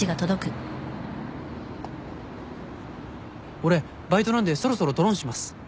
「俺バイトなんでそろそろドロンします！」